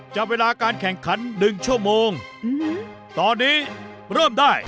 จับเวลาการแข่งขัน๑ชั่วโมงตอนนี้เริ่มได้